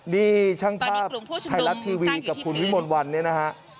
นี่ช่างภาพไทยรัฐทีวีกับคุณวิมลวันเนี่ยนะฮะ